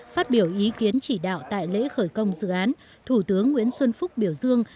phát biểu ý kiến chỉ đạo tại lễ khởi công dự án thủ tướng nguyễn xuân phúc biểu dương